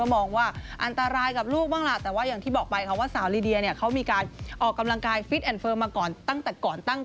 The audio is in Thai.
ไปต่อกันที่สาวไซมีนิกชาน์กันบ้าง